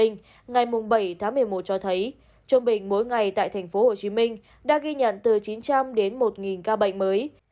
ngày bảy tháng một mươi một cho thấy trung bình mỗi ngày tại tp hcm đã ghi nhận từ chín trăm linh đến một ca bệnh mới